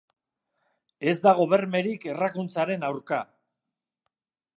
Ez dago bermerik errakuntzaren aurka.